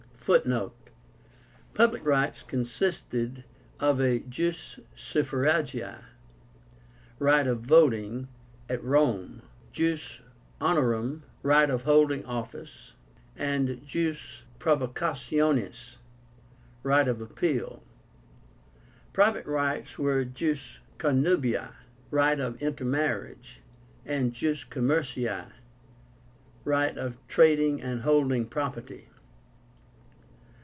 (Footnote: Public rights consisted of the jus suffragii (right of voting at Rome); jus honorum (right of holding office), and jus provocationis (right of appeal). Private rights were jus connubii (right of intermarriage); and jus commercii (right of trading and holding property).